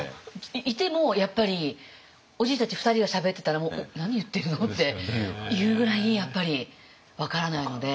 いてもやっぱりおじいたち２人がしゃべってたら「何言ってるの？」っていうぐらいやっぱり分からないので。